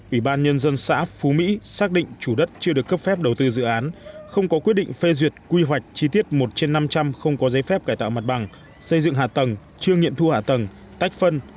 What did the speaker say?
ủy ban nhân dân xã phú mỹ xác định chủ đất chưa được cấp phép đầu tư dự án không có quyết định phê duyệt quy hoạch chi tiết một trên năm trăm linh không có giấy phép cải tạo mặt bằng xây dựng hạ tầng chưa nghiệm thu hạ tầng tách phân